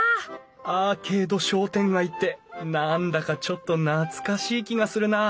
アーケード商店街って何だかちょっと懐かしい気がするな。